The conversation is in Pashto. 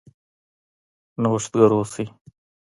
نوښتګر اوسئ.